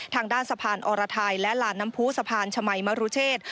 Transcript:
ทางด้านสะพานอรไทยและลานน้ำพูสะพานชมัยมรุเชษ